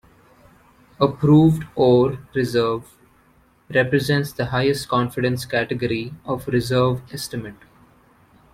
A Proved Ore Reserve represents the highest confidence category of reserve estimate.